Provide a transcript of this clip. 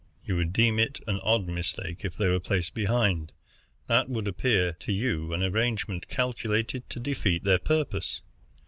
You would deem it an odd mistake if they were placed behind. That would appear to you an arrangement calculated to defeat their purpose.